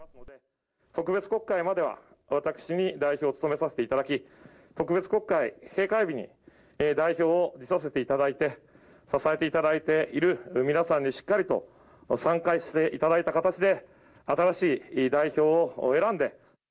特別国会までは私に代表を務めさせていただき、特別国会閉会日に代表を辞させていただいて、支えていただいている皆さんにしっかりと参加していただいた形で、新しい代表を選んで。